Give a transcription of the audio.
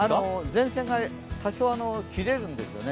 前線が切れるんですよね。